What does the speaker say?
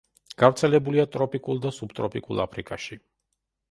გავრცელებულია ტროპიკულ და სუბტროპიკულ აფრიკაში.